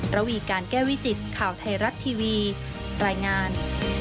ระวีการแก้วิจิตข่าวไทยรัฐทีวีรายงาน